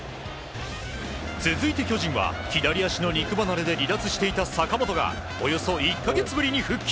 続いて巨人は左足の肉離れで離脱していた坂本がおよそ１か月ぶりに復帰。